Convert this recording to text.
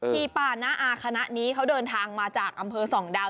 พี่ป้านาอาคนน้านี้เขาเดินทางมาจากอำเภอ๒ดาว